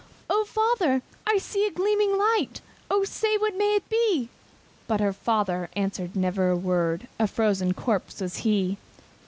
"O father! I see a gleaming light, O say, what may it be?" But the father answered never a word, A frozen corpse was he.